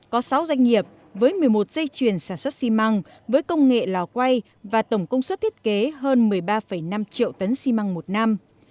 có sáu doanh nghiệp với một mươi một dây chuyền sản xuất xi măng với công nghệ lò quay và tổng công suất thiết kế hơn một mươi ba năm triệu tấn xi măng một năm